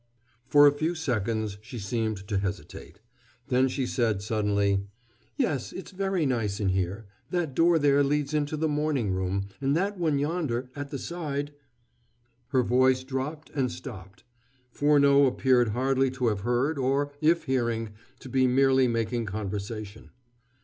For a few seconds she seemed to hesitate. Then she said suddenly: "Yes, it's very nice in here. That door there leads into the morning room, and that one yonder, at the side " Her voice dropped and stopped; Furneaux appeared hardly to have heard, or, if hearing, to be merely making conversation.